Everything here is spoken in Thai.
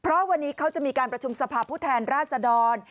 เพราะวันนี้เขาจะมีการประชุมสภาพผู้แทนราชดร